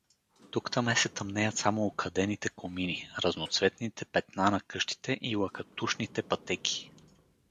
Тук-таме се тъмнеят само окадените комини, разноцветните петна на къщите и лъкатушните пътеки.